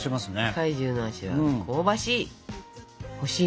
怪獣の足は香ばしい！